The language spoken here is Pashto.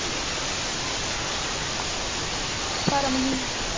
د حاصلاتو ذخیره کول د اقتصاد لپاره مهم دي.